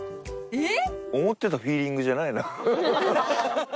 えっ？